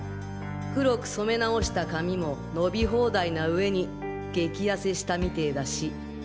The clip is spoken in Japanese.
黒く染め直した髪も伸び放題なうえに激痩せしたみてだし。